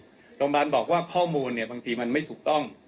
โรงพยาบาลบอกว่าข้อมูลเนี่ยบางทีมันไม่ถูกต้อง